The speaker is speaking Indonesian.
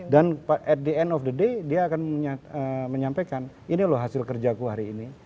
dan at the end of the day dia akan menyampaikan ini loh hasil kerjaku hari ini